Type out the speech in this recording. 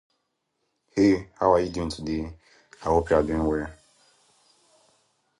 On average, "circumcinctus" is darker overall with more contrastingly dark cheeks and lores.